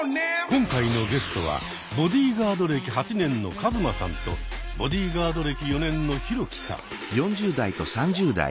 今回のゲストはボディーガード歴８年のカズマさんとボディーガード歴４年のヒロキさん。